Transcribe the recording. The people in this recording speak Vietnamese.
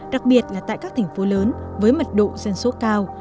đặc biệt là tại các thành phố lớn với mật độ dân số cao